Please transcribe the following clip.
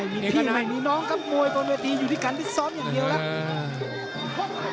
ที่นั่งมาน้องก็ป่วยน้วตีอยู่กันที่ซ่อมเป็นเบอร์